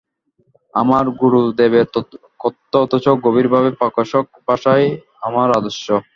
আমার গুরুদেবের কথ্য অথচ গভীরভাব-প্রকাশক ভাষাই আমার আদর্শ।